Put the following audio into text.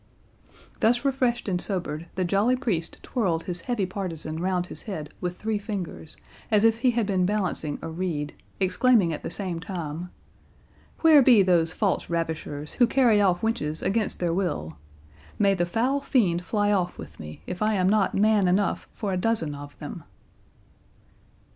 Thus refreshed and sobered, the jolly priest twirled his heavy partisan round his head with three fingers, as if he had been balancing a reed, exclaiming at the same time, "Where be those false ravishers, who carry off wenches against their will? May the foul fiend fly off with me, if I am not man enough for a dozen of them."